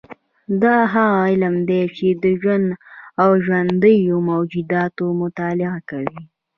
دا هغه علم دی چې د ژوند او ژوندیو موجوداتو مطالعه کوي